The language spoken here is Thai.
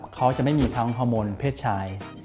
เขาจะไม่มีทั้งฮอร์โมนเพศชาย